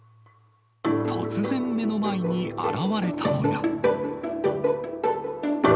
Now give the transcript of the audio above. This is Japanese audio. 突然、目の前に現れたのが。